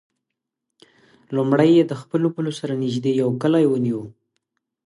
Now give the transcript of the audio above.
لومړی یې د خپلو پولو سره نژدې یو کلی ونیو.